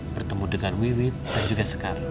bertemu dengan wiwi dan juga sekarang